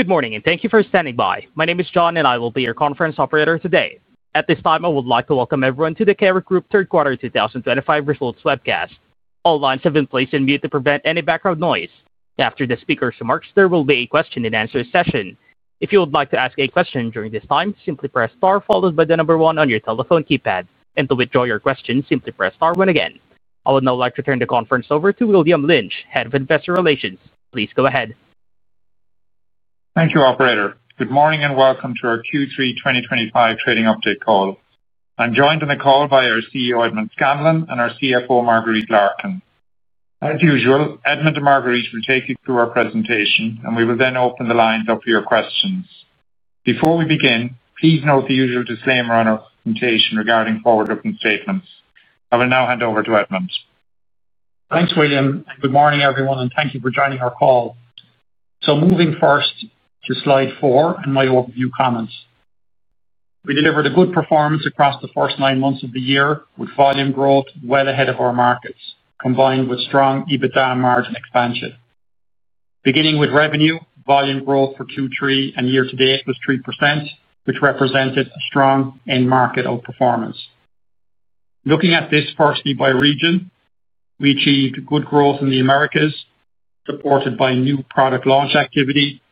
Good morning and thank you for standing by. My name is John and I will be your conference operator today. At this time, I would like to welcome everyone to the Kerry Group third quarter 2025 results webcast. All lines have been placed on mute to prevent any background noise. After the speaker's remarks, there will be a question and answer session. If you would like to ask a question during this time, simply press star followed by the number one on your telephone keypad. To withdraw your question, simply press star one again. I would now like to turn the conference over to William Lynch, Head of Investor Relations. Please go ahead. Thank you, operator. Good morning and welcome to our Q3 2025 trading update call. I'm joined on the call by our CEO, Edmond Scanlon, and our CFO, Marguerite Larkin. As usual, Edmond and Marguerite will take you through our presentation, and we will then open the lines up for your questions. Before we begin, please note the usual disclaimer on our presentation regarding forward-looking statements. I will now hand over to Edmond. Thanks, William, and good morning everyone, and thank you for joining our call. Moving first to slide four and my overview comments. We delivered a good performance across the first nine months of the year, with volume growth well ahead of our markets, combined with strong EBITDA and margin expansion. Beginning with revenue, volume growth for Q3 and year-to-date was 3%, which represented a strong end-market outperformance. Looking at this firstly by region, we achieved good growth in the Americas, supported by new product launch activity,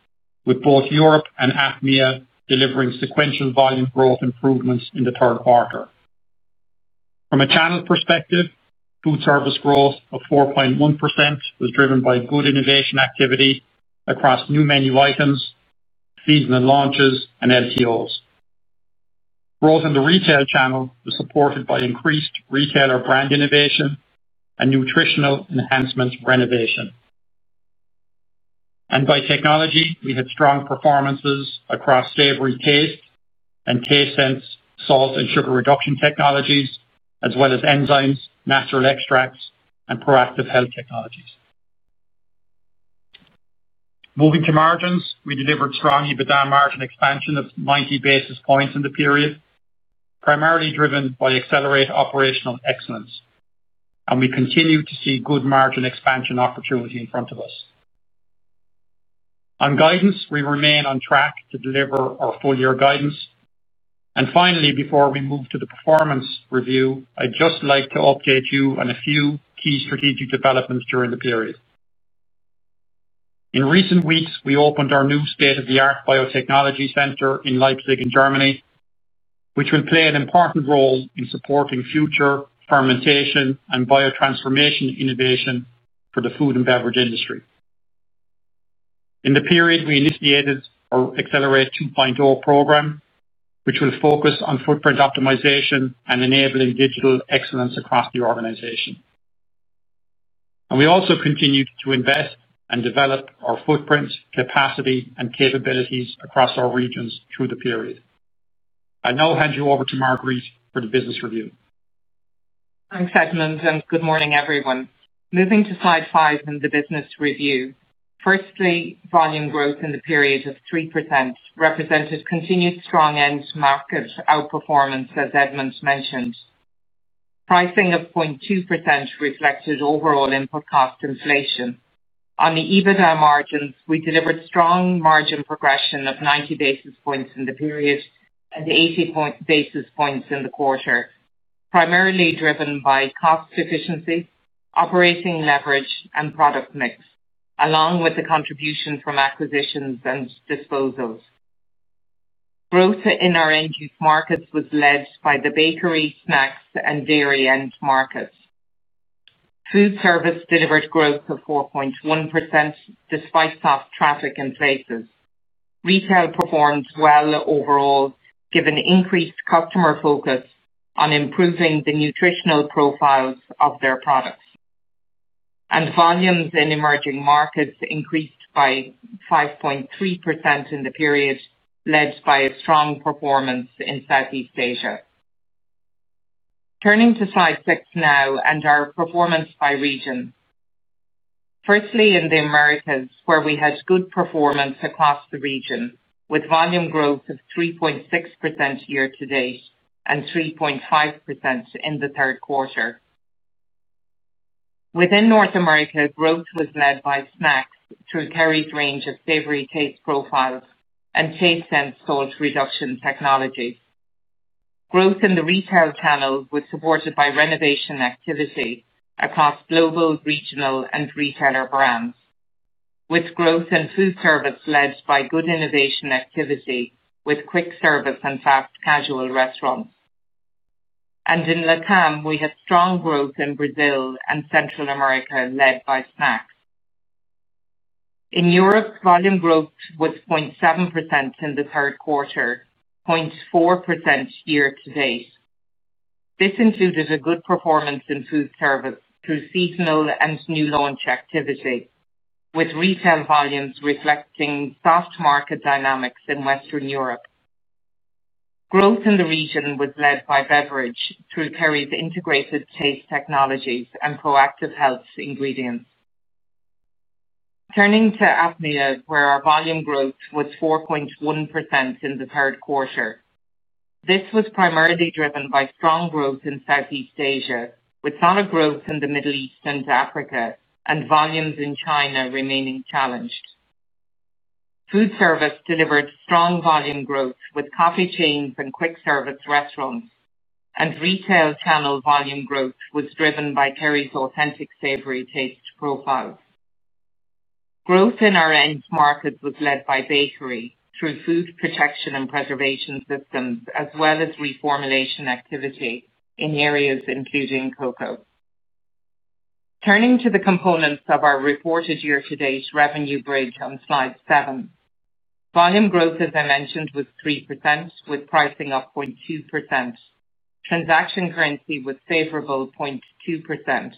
with both Europe and APMEA delivering sequential volume growth improvements in the third quarter. From a channel perspective, food service growth of 4.1% was driven by good innovation activity across new menu items, seasonal launches, and LTOs. Growth in the retail channel was supported by increased retailer brand innovation and nutritional enhancement renovation. By technology, we had strong performances across savory taste and taste sense, salt and sugar reduction technologies, as well as enzymes, natural extracts, and proactive health technologies. Moving to margins, we delivered strong EBITDA margin expansion of 90 basis points in the period, primarily driven by accelerated operational excellence. We continue to see good margin expansion opportunity in front of us. On guidance, we remain on track to deliver our full-year guidance. Finally, before we move to the performance review, I'd just like to update you on a few key strategic developments during the period. In recent weeks, we opened our new state-of-the-art biotechnology center in Leipzig in Germany, which will play an important role in supporting future fermentation and bio transformation innovation for the food and beverage industry. In the period, we initiated our Accelerate 2.0 program, which will focus on footprint optimization and enabling digital excellence across the organization. We also continue to invest and develop our footprint capacity and capabilities across our regions through the period. I'll now hand you over to Marguerite for the business review. Thanks, Edmond, and good morning everyone. Moving to slide five in the business review. Firstly, volume growth in the period of 3% represented continued strong end-market outperformance, as Edmond mentioned. Pricing of 0.2% reflected overall input cost inflation. On the EBITDA margins, we delivered strong margin progression of 90 basis points in the period and 80 basis points in the quarter, primarily driven by cost efficiency, operating leverage, and product mix, along with the contribution from acquisitions and disposals. Growth in our end-use markets was led by the bakery, snacks, and dairy end markets. Food service delivered growth of 4.1% despite soft traffic in places. Retail performed well overall, given increased customer focus on improving the nutritional profiles of their products. Volumes in emerging markets increased by 5.3% in the period, led by a strong performance in Southeast Asia. Turning to slide six now and our performance by region. Firstly, in the Americas, where we had good performance across the region, with volume growth of 3.6% year-to-date and 3.5% in the third quarter. Within North America, growth was led by snacks through Kerry's range of savory taste profiles and taste sense salt reduction technologies. Growth in the retail channel was supported by renovation activity across global, regional, and retailer brands, with growth in food service led by good innovation activity with quick service and fast casual restaurants. In LatAm, we had strong growth in Brazil and Central America, led by snacks. In Europe, volume growth was 0.7% in the third quarter, 0.4% year-to-date. This included a good performance in food service through seasonal and new launch activity, with retail volumes reflecting soft market dynamics in Western Europe. Growth in the region was led by beverage through Kerry's integrated taste technologies and proactive health ingredients. Turning to APMEA, where our volume growth was 4.1% in the third quarter. This was primarily driven by strong growth in Southeast Asia, with solid growth in the Middle East and Africa, and volumes in China remaining challenged. Food service delivered strong volume growth with coffee chains and quick service restaurants, and retail channel volume growth was driven by Kerry's authentic savory taste profiles. Growth in our end markets was led by bakery through food protection and preservation systems, as well as reformulation activity in areas including cocoa. Turning to the components of our reported year-to-date revenue bridge on slide seven, volume growth, as I mentioned, was 3%, with pricing of 0.2%. Transaction currency was favorable 0.2%.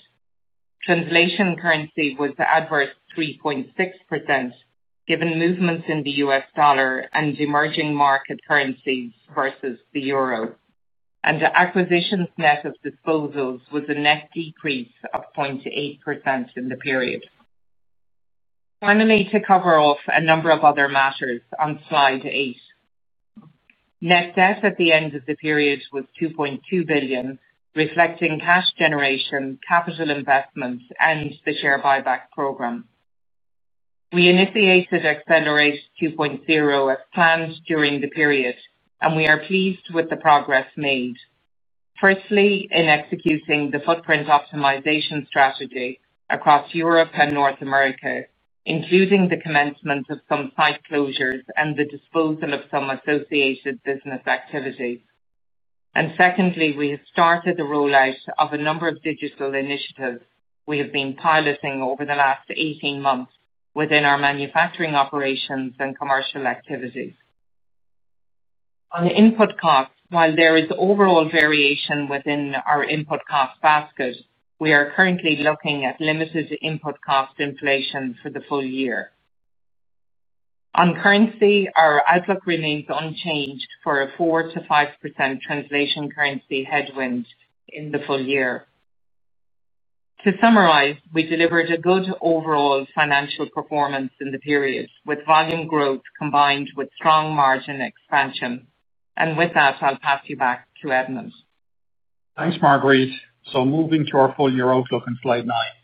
Translation currency was adverse 3.6%, given movements in the U.S. dollar and emerging market currencies versus the euro. Acquisitions net of disposals was a net decrease of 0.8% in the period. Finally, to cover off a number of other matters on slide eight. Net debt at the end of the period was 2.2 billion, reflecting cash generation, capital investments, and the share buyback program. We initiated Accelerate 2.0 as planned during the period, and we are pleased with the progress made. Firstly, in executing the footprint optimization strategy across Europe and North America, including the commencement of some site closures and the disposal of some associated business activities. Secondly, we have started the rollout of a number of digital initiatives we have been piloting over the last 18 months within our manufacturing operations and commercial activities. On the input costs, while there is overall variation within our input cost basket, we are currently looking at limited input cost inflation for the full year. On currency, our outlook remains unchanged for a 4%-5% translation currency headwind in the full year. To summarize, we delivered a good overall financial performance in the period, with volume growth combined with strong margin expansion. With that, I'll pass you back to Edmond. Thanks, Marguerite. Moving to our full-year outlook on slide nine,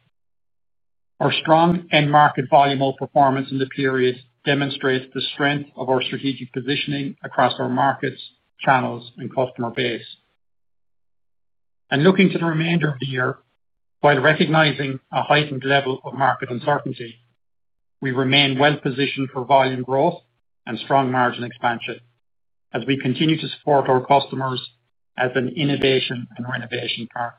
our strong end-market volume outperformance in the period demonstrates the strength of our strategic positioning across our markets, channels, and customer base. Looking to the remainder of the year, while recognizing a heightened level of market uncertainty, we remain well-positioned for volume growth and strong margin expansion as we continue to support our customers as an innovation and renovation partner.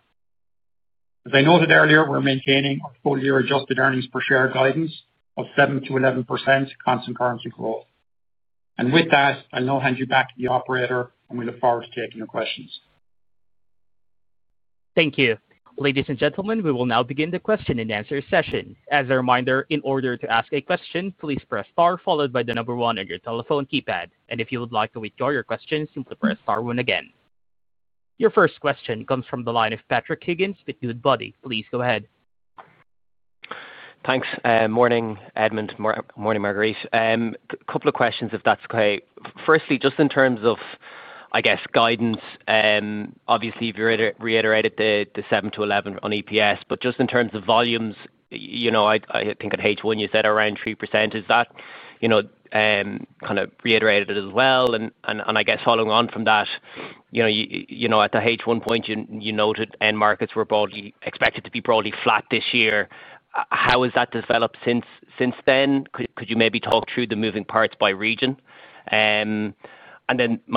As I noted earlier, we're maintaining our full-year adjusted EPS guidance of 7%-11% constant currency growth. With that, I'll now hand you back to the operator, and we look forward to taking your questions. Thank you. Ladies and gentlemen, we will now begin the question and answer session. As a reminder, in order to ask a question, please press star followed by the number one on your telephone keypad. If you would like to withdraw your question, simply press star one again. Your first question comes from the line of Patrick Higgins with Goodbody. Please go ahead. Thanks. Morning, Edmond. Morning, Marguerite. A couple of questions, if that's okay. Firstly, just in terms of, I guess, guidance, obviously, you've reiterated the 7%-11% on EPS, but just in terms of volumes, you know, I think at H1, you said around 3%. Is that, you know, kind of reiterated as well? I guess following on from that, you know, at the H1 point, you noted end markets were expected to be broadly flat this year. How has that developed since then? Could you maybe talk through the moving parts by region? My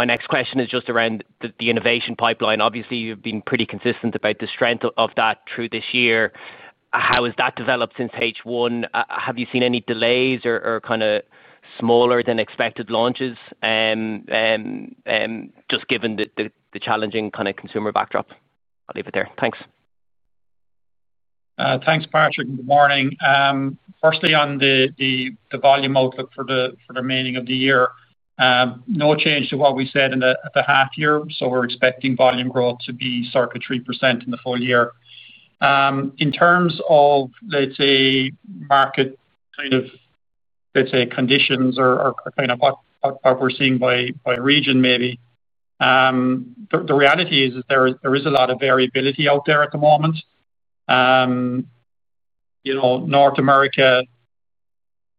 next question is just around the innovation pipeline. Obviously, you've been pretty consistent about the strength of that through this year. How has that developed since H1? Have you seen any delays or kind of smaller than expected launches? Just given the challenging kind of consumer backdrop, I'll leave it there. Thanks. Thanks, Patrick. Good morning. Firstly, on the volume outlook for the remaining of the year, no change to what we said in the half year. We're expecting volume growth to be circa 3% in the full year. In terms of market conditions or what we're seeing by region, the reality is there is a lot of variability out there at the moment. North America,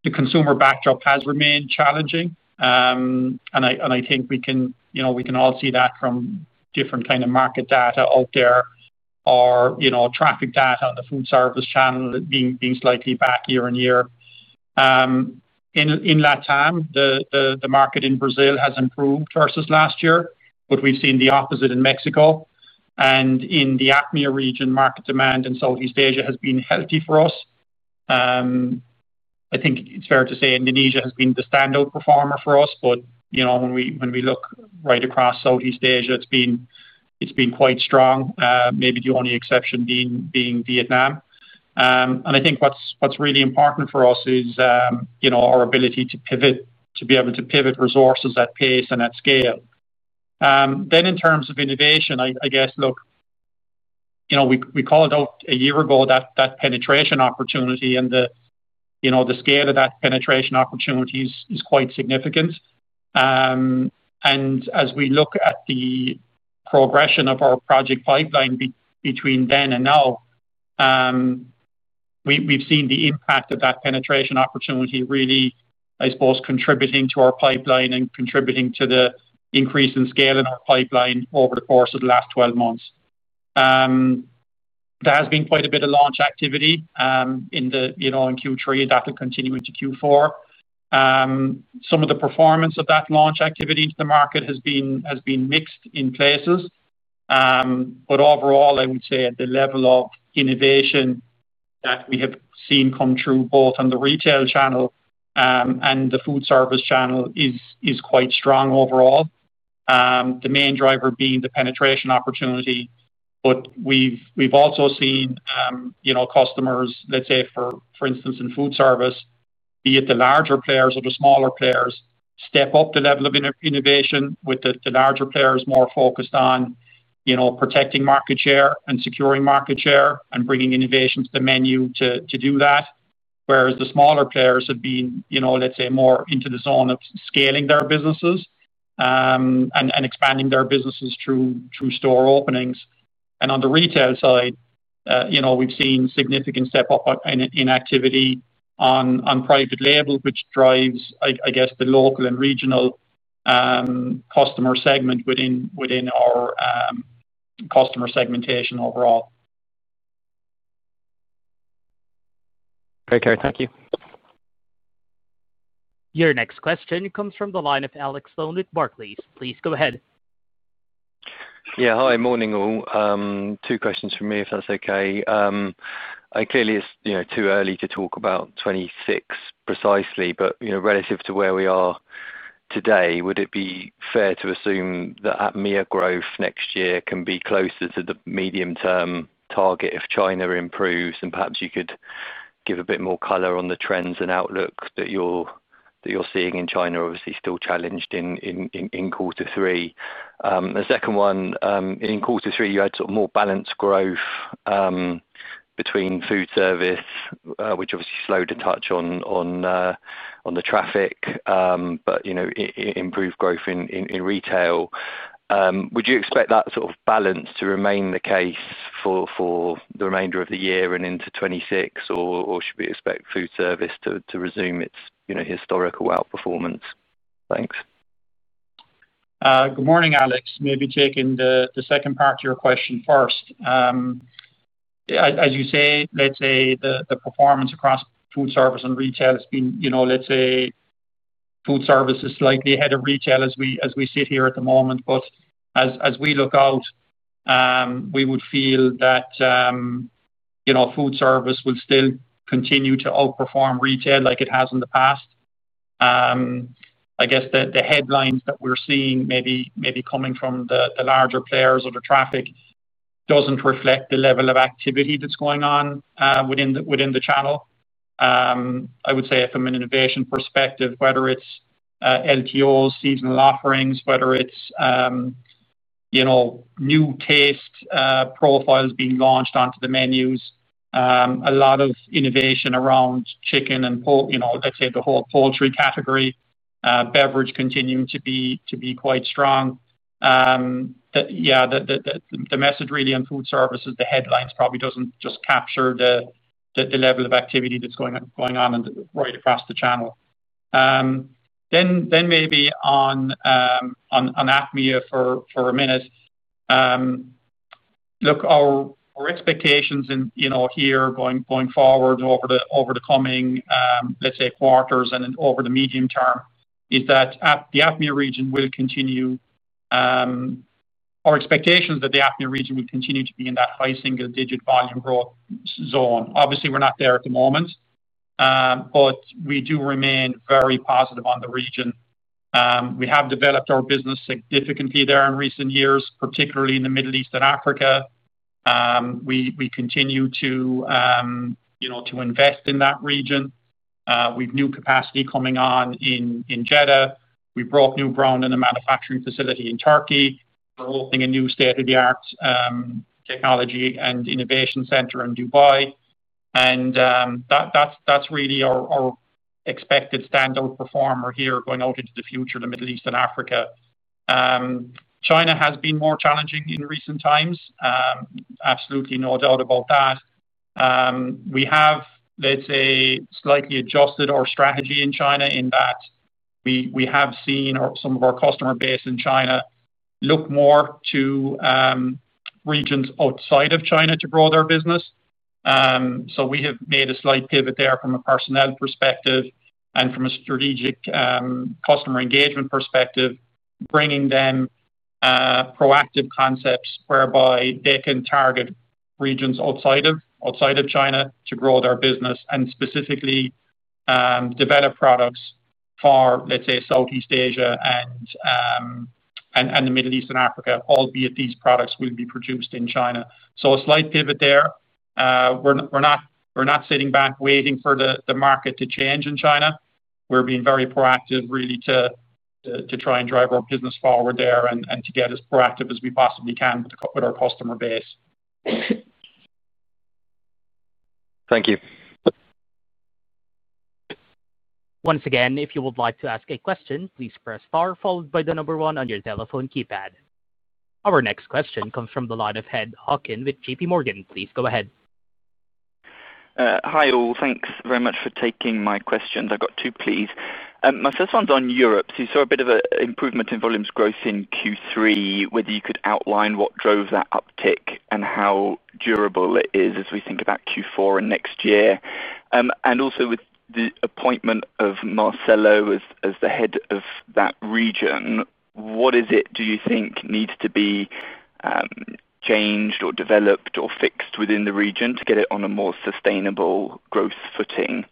the consumer backdrop has remained challenging. I think we can all see that from different market data out there or traffic data on the food service channel being slightly back year-on-year. In LatAm, the market in Brazil has improved versus last year, but we've seen the opposite in Mexico. In the APMEA region, market demand in Southeast Asia has been healthy for us. I think it's fair to say Indonesia has been the standout performer for us, but when we look right across Southeast Asia, it's been quite strong, maybe the only exception being Vietnam. I think what's really important for us is our ability to pivot, to be able to pivot resources at pace and at scale. In terms of innovation, we called out a year ago that penetration opportunity and the scale of that penetration opportunity is quite significant. As we look at the progression of our project pipeline between then and now, we've seen the impact of that penetration opportunity really contributing to our pipeline and contributing to the increase in scale in our pipeline over the course of the last 12 months. There has been quite a bit of launch activity in Q3 that will continue into Q4. Some of the performance of that launch activity into the market has been mixed in places. Overall, I would say at the level of innovation that we have seen come through both on the retail channel and the food service channel is quite strong overall. The main driver being the penetration opportunity, but we've also seen customers, for instance, in food service, be it the larger players or the smaller players, step up the level of innovation with the larger players more focused on protecting market share and securing market share and bringing innovations to the menu to do that. The smaller players have been more into the zone of scaling their businesses and expanding their businesses through store openings. On the retail side, we've seen a significant step up in activity on private label, which drives the local and regional customer segment within our customer segmentation overall. Okay, thank you. Your next question comes from the line of Alex Sloane with Barclays. Please go ahead. Yeah, hi, morning all. Two questions from me, if that's okay. Clearly, it's too early to talk about 2026 precisely, but, you know, relative to where we are today, would it be fair to assume that APMEA growth next year can be closer to the medium-term target if China improves? Perhaps you could give a bit more color on the trends and outlooks that you're seeing in China, obviously still challenged in quarter three. The second one, in quarter three, you had sort of more balanced growth between food service, which obviously slowed a touch on the traffic, but improved growth in retail. Would you expect that sort of balance to remain the case for the remainder of the year and into 2026, or should we expect food service to resume its historical outperformance? Thanks. Good morning, Alex. Maybe taking the second part of your question first. As you say, the performance across food service and retail has been, you know, food service is slightly ahead of retail as we sit here at the moment. As we look out, we would feel that food service will still continue to outperform retail like it has in the past. I guess the headlines that we're seeing maybe coming from the larger players or the traffic doesn't reflect the level of activity that's going on within the channel. I would say from an innovation perspective, whether it's LTOs, seasonal offerings, new taste profiles being launched onto the menus, a lot of innovation around chicken and the whole poultry category, beverage continuing to be quite strong. The message really on food service is the headlines probably doesn't just capture the level of activity that's going on right across the channel. Maybe on APMEA for a minute. Our expectations here going forward over the coming quarters and over the medium term is that the APMEA region will continue, our expectations that the APMEA region will continue to be in that high single-digit volume growth zone. Obviously, we're not there at the moment, but we do remain very positive on the region. We have developed our business significantly there in recent years, particularly in the Middle East and Africa. We continue to invest in that region. We have new capacity coming on in Jeddah. We brought new ground in the manufacturing facility in Turkey. We're opening a new state-of-the-art technology and innovation center in Dubai. That's really our expected standout performer here going out into the future, the Middle East and Africa. China has been more challenging in recent times. Absolutely no doubt about that. We have slightly adjusted our strategy in China in that we have seen some of our customer base in China look more to regions outside of China to grow their business. We have made a slight pivot there from a personnel perspective and from a strategic customer engagement perspective, bringing them proactive concepts whereby they can target regions outside of China to grow their business and specifically develop products for Southeast Asia and the Middle East and Africa, albeit these products will be produced in China. A slight pivot there. We're not sitting back waiting for the market to change in China. We're being very proactive, really, to try and drive our business forward there and to get as proactive as we possibly can with our customer base. Thank you. Once again, if you would like to ask a question, please press star followed by the number one on your telephone keypad. Our next question comes from the line of Ed Hawkins with JPMorgan. Please go ahead. Hi all. Thanks very much for taking my questions. I've got two, please. My first one's on Europe. You saw a bit of an improvement in volume growth in Q3. Whether you could outline what drove that uptick and how durable it is as we think about Q4 and next year. Also, with the appointment of Marcelo as the head of that region, what is it you think needs to be changed or developed or fixed within the region to get it on a more sustainable growth footing?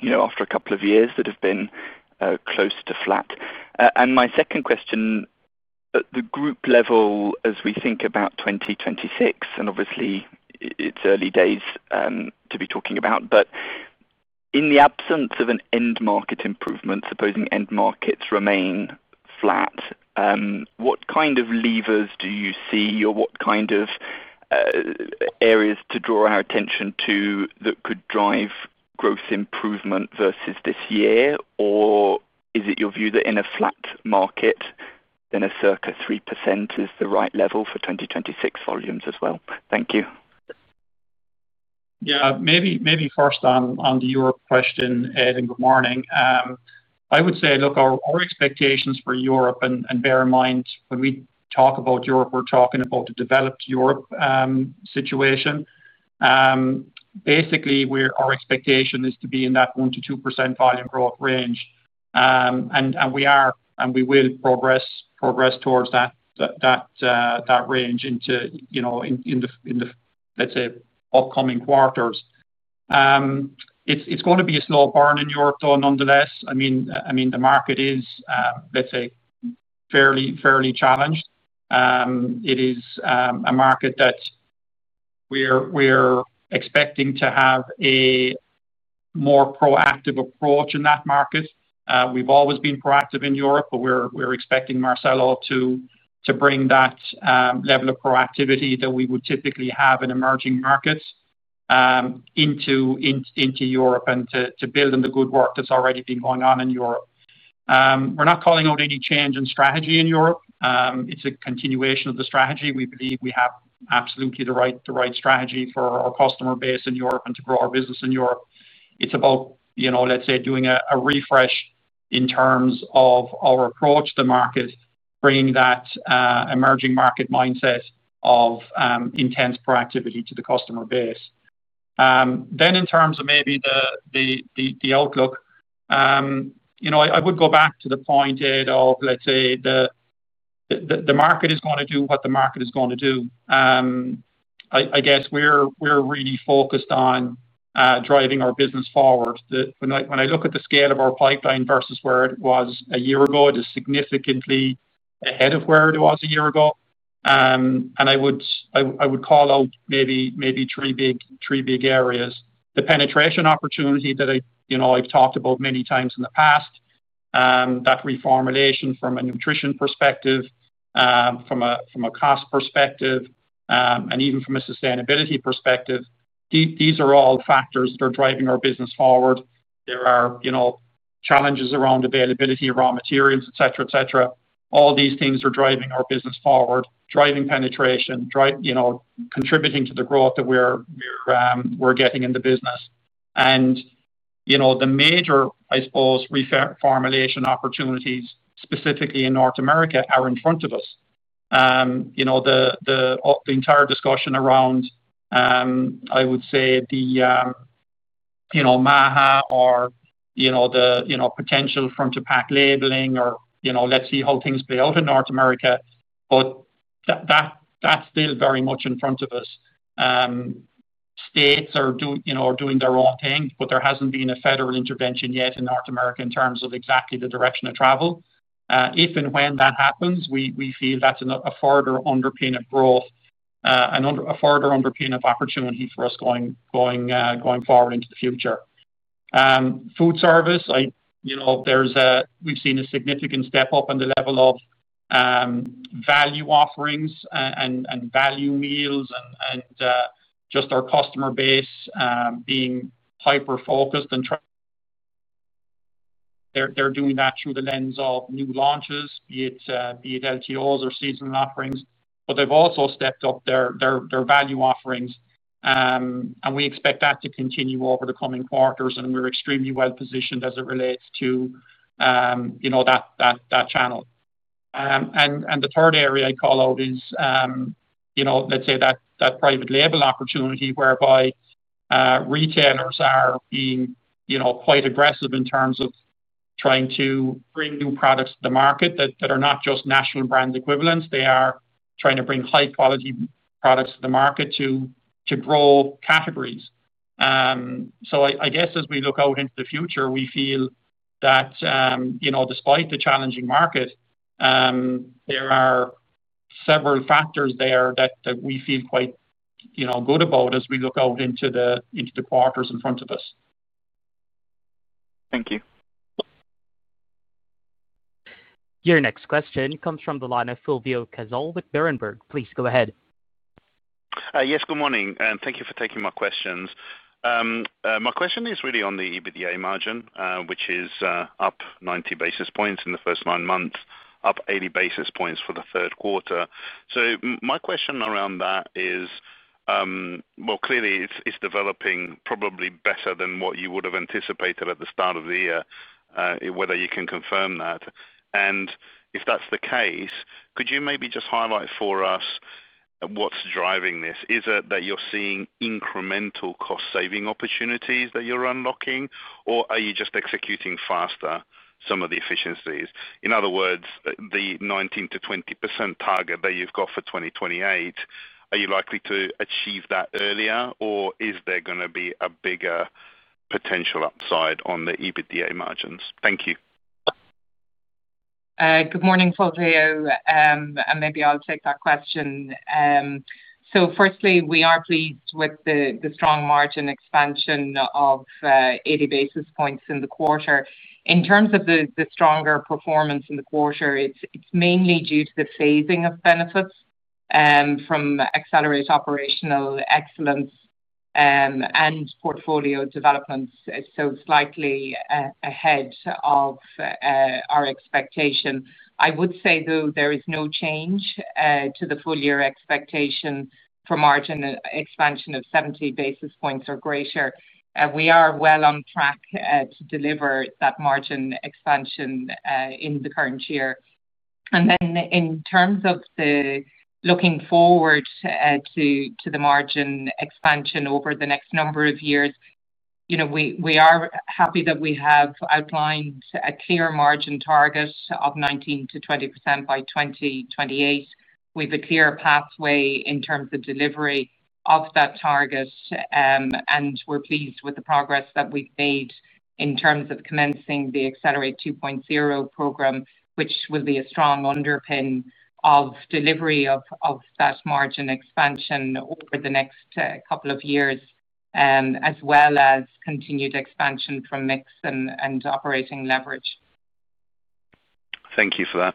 You know, after a couple of years that have been close to flat. My second question, at the group level, as we think about 2026, and obviously, it's early days to be talking about, but in the absence of an end-market improvement, supposing end markets remain flat, what kind of levers do you see or what kind of areas to draw our attention to that could drive growth improvement versus this year? Is it your view that in a flat market, then a circa 3% is the right level for 2026 volumes as well? Thank you. Yeah, maybe first on the Europe question, Ed, and good morning. I would say, look, our expectations for Europe, and bear in mind, when we talk about Europe, we're talking about the developed Europe situation. Basically, our expectation is to be in that 1%-2% volume growth range. We are, and we will progress towards that range into, you know, in the, let's say, upcoming quarters. It's going to be a slow burn in Europe, though, nonetheless. I mean, the market is, let's say, fairly challenged. It is a market that we're expecting to have a more proactive approach in that market. We've always been proactive in Europe, but we're expecting Marcelo to bring that level of proactivity that we would typically have in emerging markets into Europe and to build on the good work that's already been going on in Europe. We're not calling out any change in strategy in Europe. It's a continuation of the strategy. We believe we have absolutely the right strategy for our customer base in Europe and to grow our business in Europe. It's about, you know, let's say, doing a refresh in terms of our approach to market, bringing that emerging market mindset of intense proactivity to the customer base. In terms of maybe the outlook, you know, I would go back to the point, Ed, of let's say the market is going to do what the market is going to do. I guess we're really focused on driving our business forward. When I look at the scale of our pipeline versus where it was a year ago, it is significantly ahead of where it was a year ago. I would call out maybe three big areas: the penetration opportunity that I, you know, I've talked about many times in the past, that reformulation from a nutrition perspective, from a cost perspective, and even from a sustainability perspective. These are all factors that are driving our business forward. There are, you know, challenges around availability, raw materials, etc., etc. All these things are driving our business forward, driving penetration, you know, contributing to the growth that we're getting in the business. The major, I suppose, reformulation opportunities specifically in North America are in front of us. The entire discussion around, I would say, the, you know, MAHA or, you know, the, you know, potential front-to-back labeling or, you know, let's see how things play out in North America. That's still very much in front of us. States are doing their own thing, but there hasn't been a federal intervention yet in North America in terms of exactly the direction of travel. If and when that happens, we feel that's a further underpin of growth and a further underpin of opportunity for us going forward into the future. Food service, we've seen a significant step up in the level of value offerings and value meals and just our customer base being hyper-focused and they're doing that through the lens of new launches, be it LTOs or seasonal offerings. They've also stepped up their value offerings. We expect that to continue over the coming quarters, and we're extremely well positioned as it relates to that channel. The third area I call out is that private label opportunity whereby retailers are being quite aggressive in terms of trying to bring new products to the market that are not just national brand equivalents. They are trying to bring high-quality products to the market to grow categories. As we look out into the future, we feel that, despite the challenging market, there are several factors there that we feel quite good about as we look out into the quarters in front of us. Thank you. Your next question comes from the line of Fulvio Cazzol with Berenberg. Please go ahead. Yes, good morning. Thank you for taking my questions. My question is really on the EBITDA margin, which is up 90 basis points in the first nine months, up 80 basis points for the third quarter. My question around that is, clearly, it's developing probably better than what you would have anticipated at the start of the year, whether you can confirm that. If that's the case, could you maybe just highlight for us what's driving this? Is it that you're seeing incremental cost-saving opportunities that you're unlocking, or are you just executing faster some of the efficiencies? In other words, the 19%-20% target that you've got for 2028, are you likely to achieve that earlier, or is there going to be a bigger potential upside on the EBITDA margins? Thank you. Good morning, Fulvio. Maybe I'll take that question. Firstly, we are pleased with the strong margin expansion of 80 basis points in the quarter. In terms of the stronger performance in the quarter, it's mainly due to the phasing of benefits from accelerated operational excellence and portfolio developments, slightly ahead of our expectation. I would say, though, there is no change to the full-year expectation for margin expansion of 70 basis points or greater. We are well on track to deliver that margin expansion in the current year. In terms of looking forward to the margin expansion over the next number of years, you know, we are happy that we have outlined a clear margin target of 19%-20% by 2028. We have a clear pathway in terms of delivery of that target. We're pleased with the progress that we've made in terms of commencing the Accelerate 2.0 program, which will be a strong underpin of delivery of that margin expansion over the next couple of years, as well as continued expansion from mix and operating leverage. Thank you for that.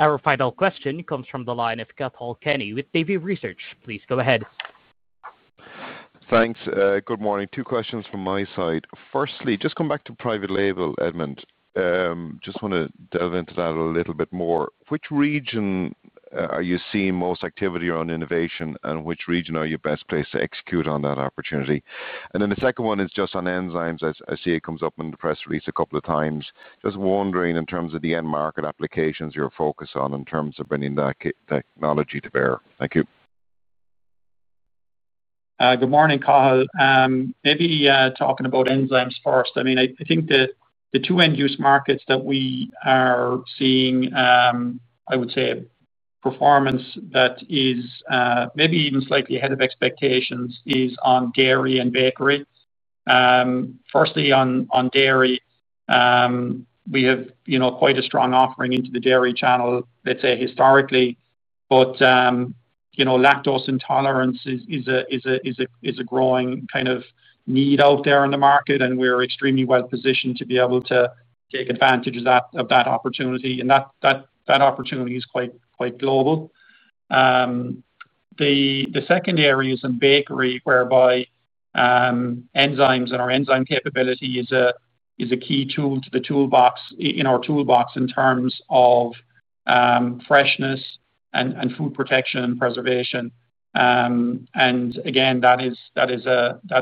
Our final question comes from the line of Cathal Kenny with Davy Research. Please go ahead. Thanks. Good morning. Two questions from my side. Firstly, just come back to private label, Edmond. Just want to delve into that a little bit more. Which region are you seeing most activity around innovation, and which region are you best placed to execute on that opportunity? The second one is just on enzymes. I see it comes up in the press release a couple of times. Just wondering in terms of the end market applications you're focused on in terms of bringing that technology to bear. Thank you. Good morning, Cathal. Maybe talking about enzymes first. I mean, I think the two end-use markets that we are seeing, I would say, a performance that is maybe even slightly ahead of expectations is on dairy and bakery. Firstly, on dairy, we have quite a strong offering into the dairy channel, let's say, historically. Lactose intolerance is a growing kind of need out there in the market, and we're extremely well positioned to be able to take advantage of that opportunity. That opportunity is quite global. The second area is in bakery, whereby enzymes and our enzyme capability is a key tool to the toolbox in our toolbox in terms of freshness and food protection and preservation. That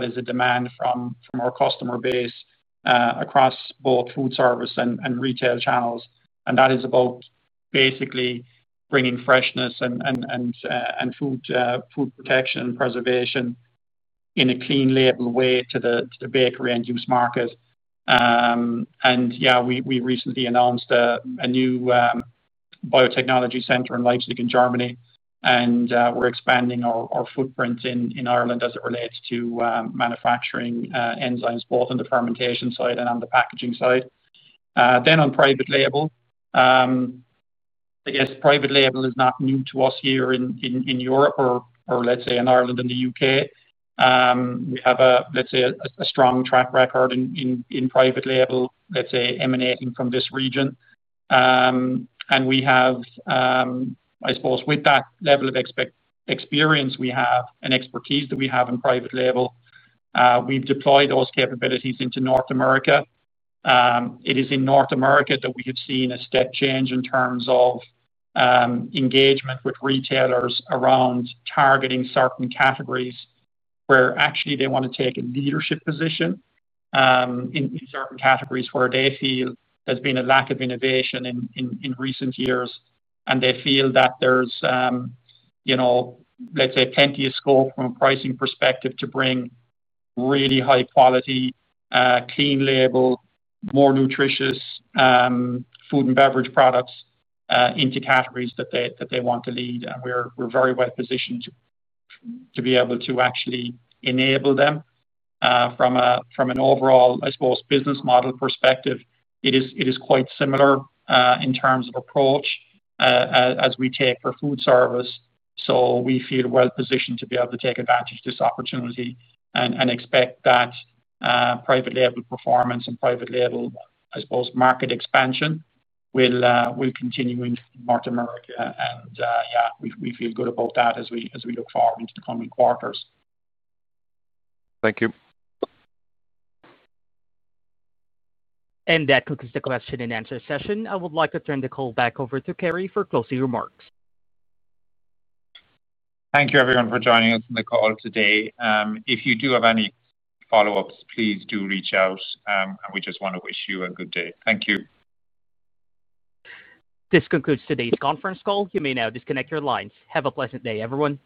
is a demand from our customer base across both food service and retail channels. That is about basically bringing freshness and food protection and preservation in a clean label way to the bakery end-use market. We recently announced a new biotechnology center in Leipzig in Germany, and we're expanding our footprint in Ireland as it relates to manufacturing enzymes, both on the fermentation side and on the packaging side. On private label, I guess private label is not new to us here in Europe or, let's say, in Ireland and the U.K. We have a strong track record in private label, let's say, emanating from this region. With that level of experience, we have an expertise that we have in private label. We've deployed those capabilities into North America. It is in North America that we have seen a step change in terms of engagement with retailers around targeting certain categories where actually they want to take a leadership position in certain categories where they feel there's been a lack of innovation in recent years. They feel that there's plenty of scope from a pricing perspective to bring really high quality, clean label, more nutritious food and beverage products into categories that they want to lead. We're very well positioned to be able to actually enable them from an overall, I suppose, business model perspective. It is quite similar in terms of approach as we take for food service. We feel well positioned to be able to take advantage of this opportunity and expect that private label performance and private label market expansion will continue in North America. We feel good about that as we look forward into the coming quarters. Thank you. That concludes the question and answer session. I would like to turn the call back over to Kerry for closing remarks. Thank you, everyone, for joining us on the call today. If you do have any follow-ups, please do reach out. We just want to wish you a good day. Thank you. This concludes today's conference call. You may now disconnect your lines. Have a pleasant day, everyone.